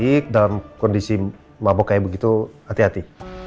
tapi dalam kondisi mabok kayak begitu hati hati